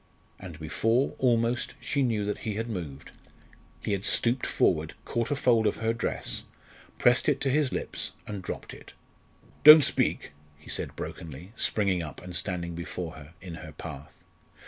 And before, almost, she knew that he had moved, he had stooped forward, caught a fold of her dress, pressed it to his lips, and dropped it. "Don't speak," he said brokenly, springing up, and standing before her in her path.